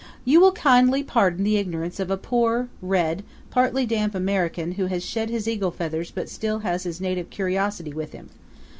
"You will kindly pardon the ignorance of a poor, red, partly damp American who has shed his eagle feathers but still has his native curiosity with him!